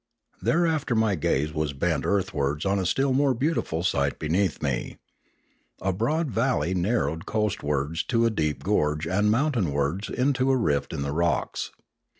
Thereafter my gaze was bent earthwards on a still more beautiful sight beneath me. A broad valley nar rowed coast wards to a deep gorge and mountain wards into a rift in the rocks.